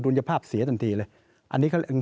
ภาพเสียทันทีเลย